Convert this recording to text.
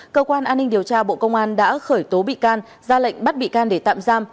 cơ quan an ninh điều tra bộ công an đã khởi tố bị can ra lệnh bắt bị can để tạm giam